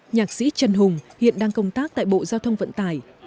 nhạc sĩ trần hùng hiện đang công tác tại bộ giao thông vận tải